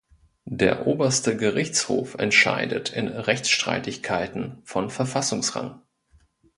Der oberste Gerichtshof entscheidet in Rechtsstreitigkeiten von Verfassungsrang.